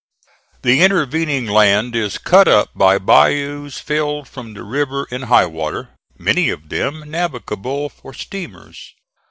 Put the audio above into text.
The intervening land is cut up by bayous filled from the river in high water many of them navigable for steamers.